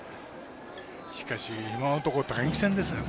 しかし、今のところ打撃戦ですね。